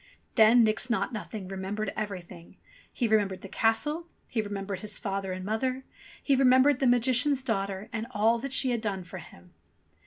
Then Nix Naught Nothing remembered everything. He remembered the castle, he remembered his father and mother, he remembered the Magician's daughter and all that she had done for him.